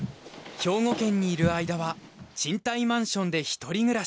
兵庫県にいる間は賃貸マンションで一人暮らし。